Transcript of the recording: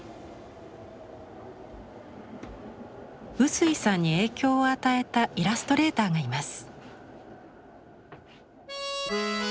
臼井さんに影響を与えたイラストレーターがいます。